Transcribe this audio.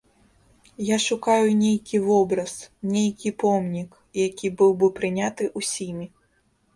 Я шукаю нейкі вобраз, нейкі помнік, які быў бы прыняты ўсімі.